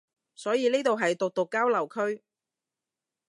所以呢度係毒毒交流區